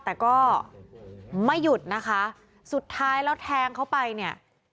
แต่ก็ไม่หยุดนะคะสุดท้ายแล้วแทงเขาไปเนี่ย